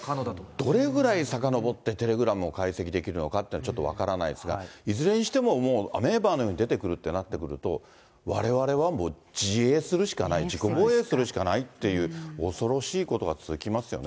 どれぐらいさかのぼってテレグラムを解析できるのかっていうのは、ちょっと分からないですが、いずれにしてももう、アメーバーのように出てくるってなってくると、われわれはもう自衛するしかない、自己防衛するしかないっていう、恐ろしいことが続きますよね。